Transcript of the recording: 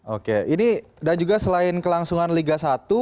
oke ini dan juga selain kelangsungan liga satu